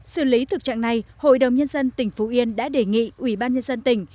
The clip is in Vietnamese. xử lý thực trạng này hội đồng nhân dân tỉnh phú yên đã đề nghị ủy ban nhân dân tỉnh